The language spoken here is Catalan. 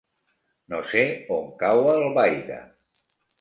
No sé on cau Albaida.